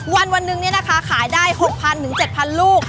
วันหนึ่งนี่นะคะขายได้๖๐๐๗๐๐ลูก